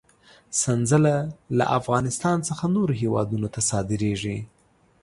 سنځله له افغانستان څخه نورو هېوادونو ته صادرېږي.